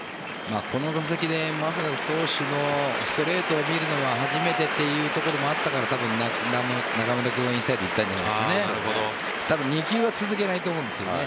この打席でマクガフ投手のストレートを見るのは初めてというところもあったから多分、中村君はインサイドいったんじゃないですかね。